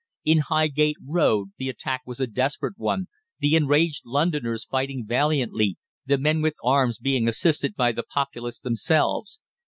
In Highgate Road the attack was a desperate one, the enraged Londoners fighting valiantly, the men with arms being assisted by the populace themselves.